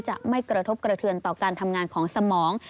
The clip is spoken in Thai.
จะไม่กระทบกระเทือนต่อการทำงานของสมอง